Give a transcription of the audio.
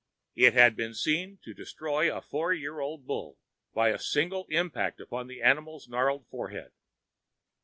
It had been seen to destroy a four year old bull by a single impact upon that animal's gnarly forehead.